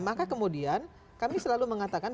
maka kemudian kami selalu mengatakan